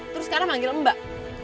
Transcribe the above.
terus sekarang manggil mbak